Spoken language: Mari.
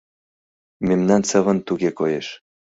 Мемнан сывын туге коеш.